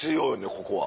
ここは。